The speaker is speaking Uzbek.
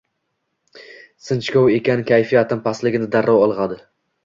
Sinchkov ekan kayfiyatim pastligini darrov ilg’adi.